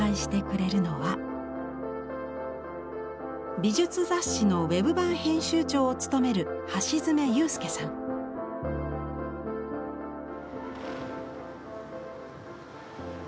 美術雑誌のウェブ版編集長を務めるあ